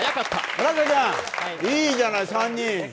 村瀬君、いいじゃない、３人。